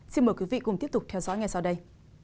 xin mời quý vị cùng tiếp tục theo dõi ngay sau đây